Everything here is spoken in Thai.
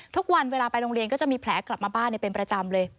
ทุกวันเวลาไปโรงเรียนก็จะมีแผลกลับมาบ้านเป็นประจำเลย